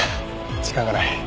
時間がない。